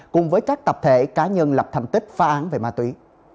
cùng với các tập thể cá nhân lập thành tích phá án về ma túy